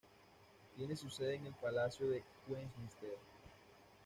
Tiene su sede en el Palacio de Westminster.